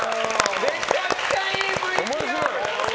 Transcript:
めちゃくちゃいいＶＴＲ！